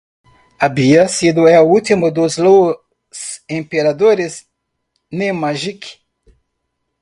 Había sido el último de los emperadores Nemanjić.